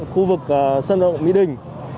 khu vực sân vật động mỹ đình